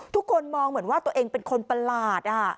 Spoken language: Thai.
ทุกคนมองเหมือนว่าตัวเองเป็นคนประหลาด